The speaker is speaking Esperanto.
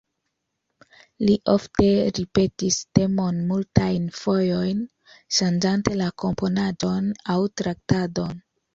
Li ofte ripetis temon multajn fojojn, ŝanĝante la komponaĵon aŭ traktadon.